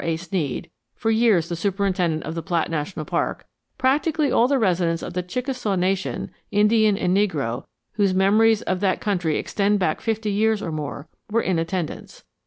A. Sneed, for years the superintendent of the Platt National Park, "practically all the residents of the Chickasaw Nation, Indian and negro, whose memories of that country extend back fifty years or more, were in attendance.